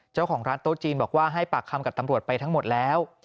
เจ้าของร้านโต๊ะจีนบอกว่าให้ปากคำกับตำรวจไปทั้งหมดแล้ว